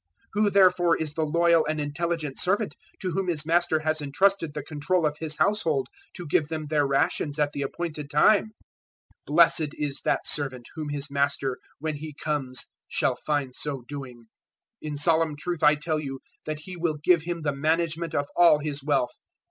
024:045 "Who therefore is the loyal and intelligent servant to whom his master has entrusted the control of his household to give them their rations at the appointed time? 024:046 Blessed is that servant whom his master when he comes shall find so doing! 024:047 In solemn truth I tell you that he will give him the management of all his wealth.